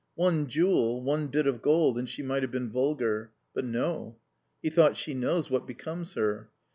One jewel, one bit of gold, and she might have been vulgar. But no. He thought: she knows what becomes her.